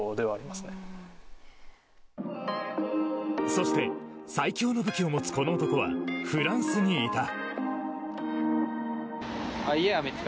そして、最強の武器を持つこの男はフランスにいた。